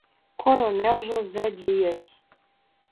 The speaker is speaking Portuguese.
Coronel José Dias